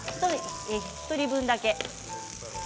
１人分だけ。